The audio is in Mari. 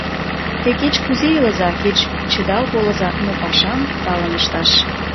— Те кеч-кузе илыза, кеч кучедал колыза, но пашам талын ышташ!